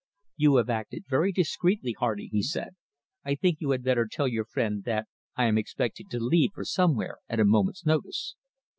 "You have acted very discreetly, Hardy," he said. "I think you had better tell your friend that I am expecting to leave for somewhere at a moment's notice.